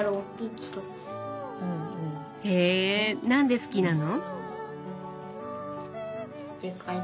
へなんで好きなの？